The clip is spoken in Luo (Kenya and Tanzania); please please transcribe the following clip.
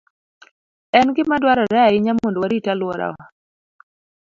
En gima dwarore ahinya mondo warit alworawa.